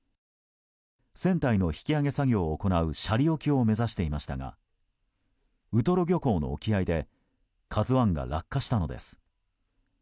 船体の引き揚げ作業を行う斜里沖を目指していましたがウトロ漁港の沖合で「ＫＡＺＵ１」が落下したのです。